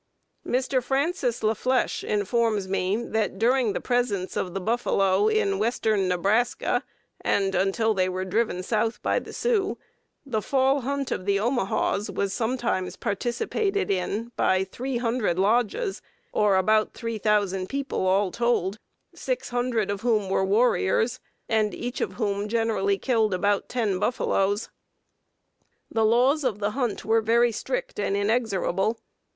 Mr. Francis La Flesche informs me that during the presence of the buffalo in western Nebraska and until they were driven south by the Sioux, the fall hunt of the Omahas was sometimes participated in by three hundred lodges, or about 3,000 people all told, six hundred of whom were warriors, and each of whom generally killed about ten buffaloes. The laws of the hunt were very strict and inexorable.